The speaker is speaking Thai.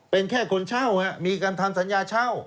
เป็นแค่คนเช่ามีการทำสัญญาเช่า